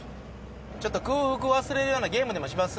ちょっと空腹忘れるようなゲームでもします？